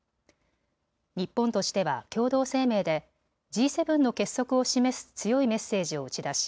日本としては共同声明でＧ７の結束を示す強いメッセージを打ち出し